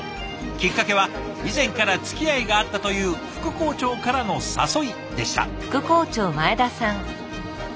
きっかけは以前からつきあいがあったという副校長からの誘いでした。